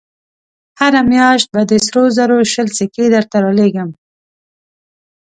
هره مياشت به د سرو زرو شل سيکې درته رالېږم.